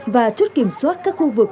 và chút kiểm soát các khu vực